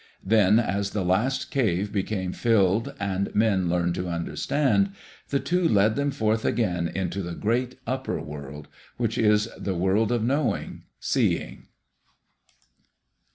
Then as the last cave became filled and men learned to understand, the Two led them forth again into the great upper world, which is the World of Knowing Seeing.